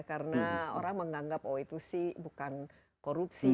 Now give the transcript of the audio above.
karena orang menganggap oh itu sih bukan korupsi